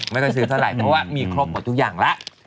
ไม่ค่อยซื้อเท่าไหร่เพราะว่ามีครบหมดทุกอย่างแล้ว